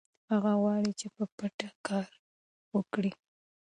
هغه غواړي چې په پټي کې کار وکړي.